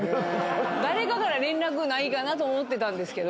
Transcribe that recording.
誰かから連絡ないかなと思ってたんですけど。